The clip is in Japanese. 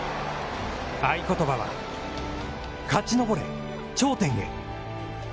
合い言葉は「勝ち登れ頂点へ」。